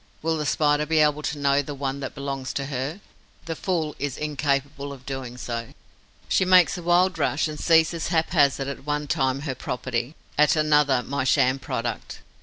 Will the Spider be able to know the one that belongs to her? The fool is incapable of doing so. She makes a wild rush and seizes haphazard at one time her property, at another my sham product.